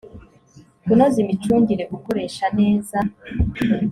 kunoza imicungire gukoresha neza